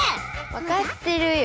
わかってるよ。